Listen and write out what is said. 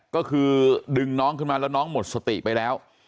ก็คือดึงน้องขึ้นมาแล้วน้องหมดสติไปแล้ว